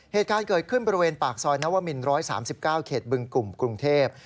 เหตุการณ์เกิดขึ้นบริเวณปากซอยนวมิน๑๓๙เขตบึงกลุ่มกรุงเทพ